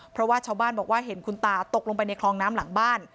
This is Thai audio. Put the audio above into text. เพราะว่าชาวบ้านบอกว่าเห็นคุณตาตกลงไปในคลองน้ำหลังบ้าน